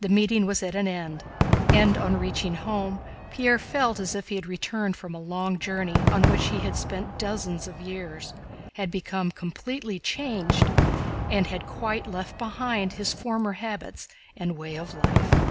The meeting was at an end, and on reaching home Pierre felt as if he had returned from a long journey on which he had spent dozens of years, had become completely changed, and had quite left behind his former habits and way of life.